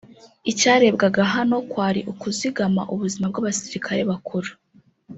Icyarebwaga hano kwari ukuzigama ubuzima bw’abasirikare bakuru